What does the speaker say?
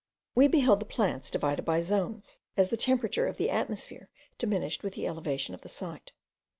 We beheld the plants divided by zones, as the temperature of the atmosphere diminished with the elevation of the site.